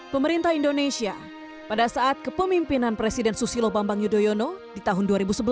pemerintah indonesia pada saat kepemimpinan presiden susilo bambang yudhoyono di tahun dua ribu sebelas